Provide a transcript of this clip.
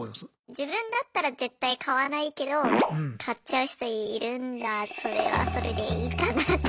自分だったら絶対買わないけど買っちゃう人いるんだそれはそれでいいかなって。